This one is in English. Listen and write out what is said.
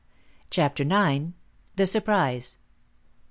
CHAPTER IX. THE SURPRISE.